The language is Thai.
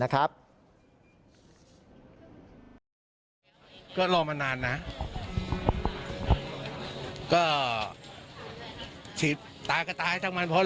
ก็รอมานานนะ